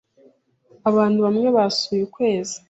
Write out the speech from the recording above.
Abantu bamwe basuye ukwezi.